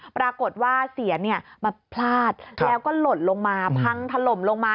ปรากฏว่าเสียนมันพลาดแล้วก็หล่นลงมาพังถล่มลงมา